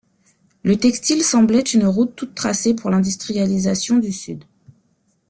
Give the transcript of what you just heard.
Le textile semblait une route toute tracée pour l'industrialisation du Sud.